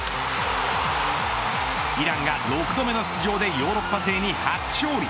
イランが６度目の出場でヨーロッパ勢に初勝利。